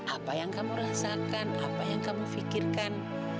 apa yang kamu rasakan apa yang kamu pikirkan